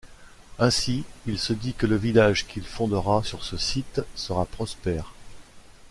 Ainsi il se dit que le village qu'il fondera sur ce site sera prospère.